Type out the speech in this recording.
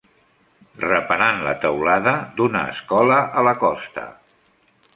Reparant la teulada d'una escola a la costa